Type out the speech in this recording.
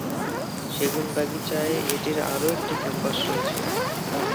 শেগুনবাগিচায় এটির আরও একটি ক্যাম্পাস রয়েছে।